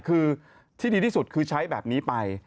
คือที่ดีที่สุดคือใช้แบบนี้ไป